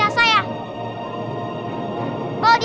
jangan lupa untuk berikan duit